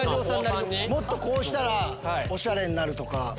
「もっとこうしたらオシャレになる」とか。